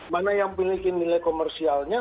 mana yang memiliki nilai komersialnya